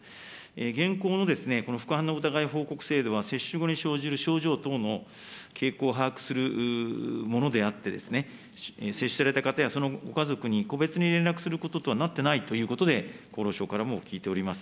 現行の副反応疑い報告制度は、接種後に生じる症状等の傾向を把握するものであって、接種された方や、そのご家族に個別に連絡することとなっていないということで、厚労省からも聞いております。